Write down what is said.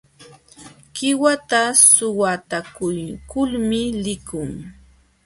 Qiwata shwatakuykulmi likun.